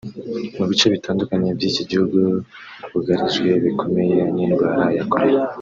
Mu bice bitandukanye by’iki gihugu bugarijwe bikomeye n’indwara ya Kolera